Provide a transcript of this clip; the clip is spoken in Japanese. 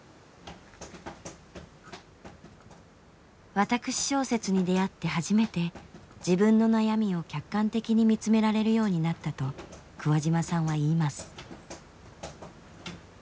私小説に出会って初めて自分の悩みを客観的に見つめられるようになったと桑島さんは言います。